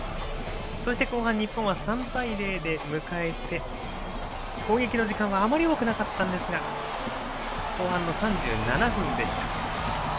そして後半日本は３対０で迎えて攻撃の時間はあまり多くなかったんですが後半の３７分でした。